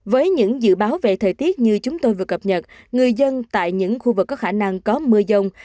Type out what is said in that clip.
với những dự báo về thời tiết như chúng tôi vừa cập nhật người dân tại những khu vực có khả năng có mưa dông